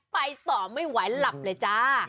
ไปต่อไม่ไหวหลับเลยจ้า